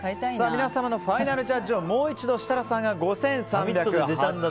皆様のファイナルジャッジをもう一度、設楽さんが５３８０円。